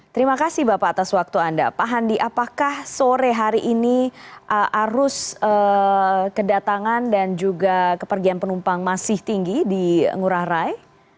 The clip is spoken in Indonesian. terima kasih bapak atas waktu anda pak handi apakah sore hari ini arus kedatangan dan juga kepergian penumpang masih tinggi di ngurah rai